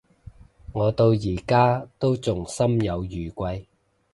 我到而家都仲心有餘悸